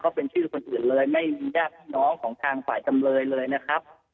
เป็นชื่อคนอื่นเลยไม่มีญาติพี่น้องของทางฝ่ายจำเลยเลยนะครับ